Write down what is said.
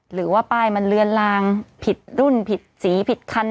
หรือว่าป้ายมันเลือนลางผิดรุ่นผิดสีผิดคัน